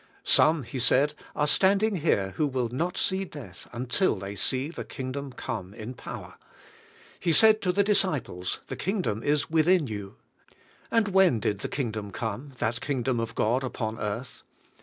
"Some," He said, "are standing here who will not see death THE KINGDOM FIRST 09 until tliey see the Kingdom come in povv^er." He said to the disciples, "The Kingdom is within you." And when did the Kingdom come — that King dom of God upon earth?